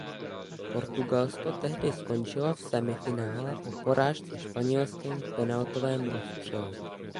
Portugalsko tehdy skončilo v semifinále po porážce Španělskem v penaltovém rozstřelu.